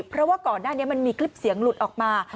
เพราะว่าก่อนหน้านี้มันมีคลิปเสียงหลุดออกมา